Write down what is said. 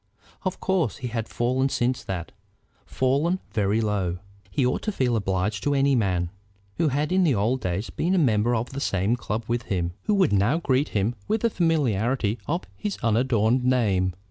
Of course he had fallen since that, fallen very low. He ought to feel obliged to any man, who had in the old days been a member of the same club with him, who would now greet him with the familiarity of his unadorned name.